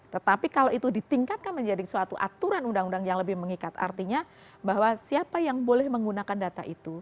tetapi kalau itu ditingkatkan menjadi suatu aturan undang undang yang lebih mengikat artinya bahwa siapa yang boleh menggunakan data itu